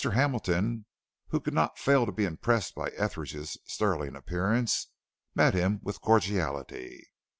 Hamilton, who could not fail to be impressed by Etheridge's sterling appearance, met him with cordiality.